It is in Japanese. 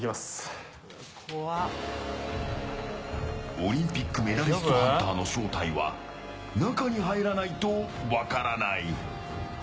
オリンピックメダリストハンターの正体は中に入らないと分からない。